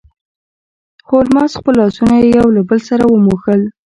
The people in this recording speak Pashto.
هولمز خپل لاسونه یو له بل سره وموښل.